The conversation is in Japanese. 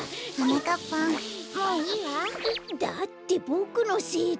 だってボクのせいで。